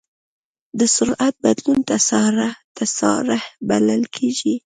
د سرعت بدلون تسارع بلل کېږي.